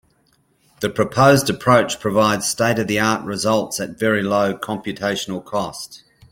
The proposed approach provides state-of-the-art results at very low computational cost.